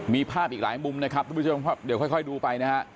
มีภาพอีกหลายมุมนะครับเดี๋ยวค่อยดูไปนะฮะ